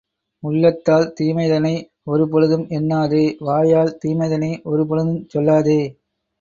உள்ளத்தால் தீமைதனை ஒரு பொழுதும் எண்ணாதே, வாயால் தீமைதனை ஒரு பொழுதுஞ் சொல்லாதே!